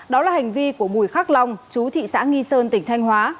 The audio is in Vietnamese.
đó là hành vi của bùi khắc long chú thị xã nghi sơn tỉnh thanh hóa